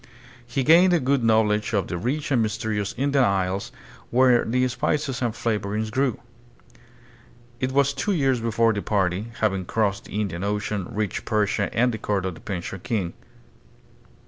He gamed a good knowledge of the rich and mysterious Indian Isles, where the spices and flavorings grew. It was two years before the party, having crossed the Indian Ocean, reached Persia and the court of the Persian king.